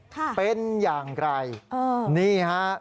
ค่ะเป็นอย่างไรเออนี่ฮะ